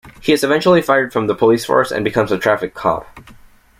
He is eventually fired from the police force and becomes a traffic cop.